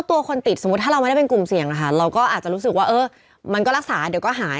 ตัวคนติดสมมุติถ้าเราไม่ได้เป็นกลุ่มเสี่ยงนะคะเราก็อาจจะรู้สึกว่าเออมันก็รักษาเดี๋ยวก็หาย